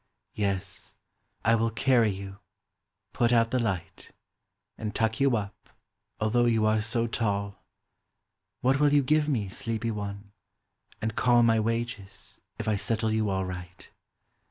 Yes, I will carry you, put out the light, And tuck you up, although you are so tall ! What will you give me, sleepy one, and call My wages, if 1 settle you all right?